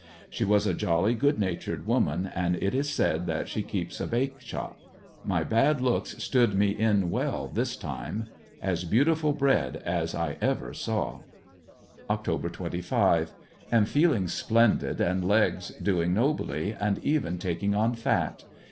She was a jolly, good natured woman, and it is said that she keeps a bake shop My bad looks stood me in well this time. As beautiful bread as 1 ever saw. Oct. 25 — Am feeling splendid and legs doing nobly, and even taking on fat.